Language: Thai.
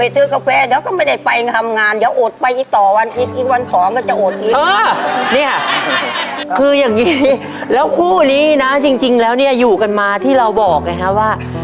คืออย่างนี้แล้วคู่นี้นะจริงแล้วเนี่ยอยู่กันมาที่เราบอกไงฮะว่า